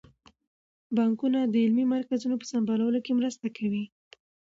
بانکونه د علمي مرکزونو په سمبالولو کې مرسته کوي.